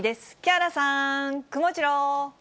木原さん、くもジロー。